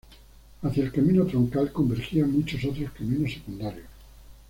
Hacia el camino troncal convergían muchos otros caminos secundarios.